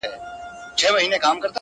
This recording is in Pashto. ما به له زړه درته ټپې په زړه کي وويلې,